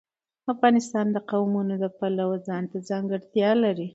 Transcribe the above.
افغانستان د قومونه د پلوه ځانته ځانګړتیا لري.